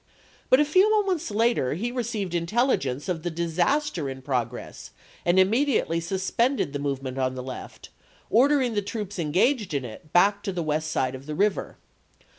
But a few moments later he received intelligence p. 193. PERRYVILLE AND MURFREESBOEO 287 of the disaster in progress and immediately sus pended the movement on the left, ordering the troops engaged in it back to the west side of the river.